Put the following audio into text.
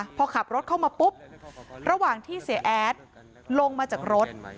พอขับรถเข้ามาปุ๊บระหว่างที่เสียแอดลงมาจากรถ